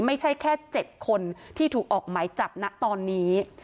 ไม่ใช่แค่๗คนที่ถูกออกหมายจับนะตอนนี้